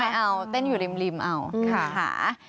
ไม่เอาเต้นอยู่ริมเอาค่ะ